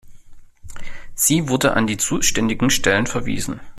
Sie wurde an die zuständigen Stellen verwiesen.